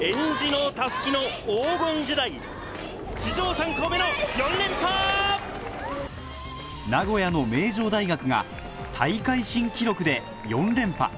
前回大会名古屋の名城大学が大会新記録で４連覇